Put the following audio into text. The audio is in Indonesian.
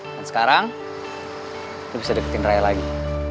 kan sekarang lo bisa deketin raya lagi